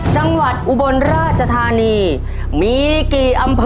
จังหวัดอุบรรณราชธรรมิมีกี่อำเภอ